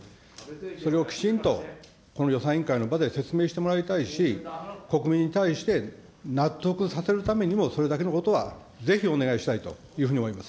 それをきちんとこの予算委員会の場で説明してもらいたいし、国民に対して納得させるためにも、それだけのことはぜひお願いしたいというふうに思います。